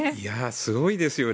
すごいですよね。